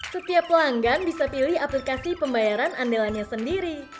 setiap pelanggan bisa pilih aplikasi pembayaran andalannya sendiri